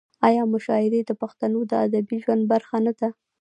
آیا مشاعرې د پښتنو د ادبي ژوند برخه نه ده؟